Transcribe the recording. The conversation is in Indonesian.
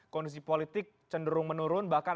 kondisi politik cenderung menurun bahkan